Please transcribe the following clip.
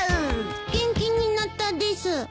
元気になったです。